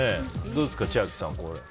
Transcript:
どうですか、千秋さん。